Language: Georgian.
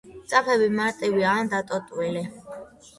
ძაფები მარტივია ან დატოტვილი.